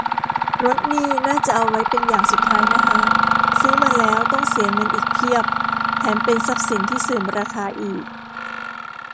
รถนี่น่าจะเอาไว้เป็นอย่างสุดท้ายนะฮะ ซื้อมาแล้วต้องเสียเงินอีกเพียบ แถมเป็นทรัพย์สินที่เสื่อมราคาอีก